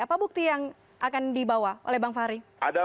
apa bukti yang akan dibawa oleh bang fahri